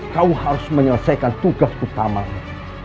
kau harus menyelesaikan tugas utamanya